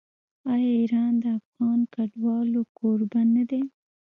آیا ایران د افغان کډوالو کوربه نه دی؟